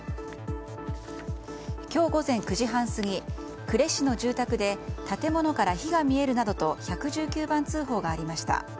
今日午前９時半過ぎ呉市の住宅で建物から火が見えるなどと１１９番通報がありました。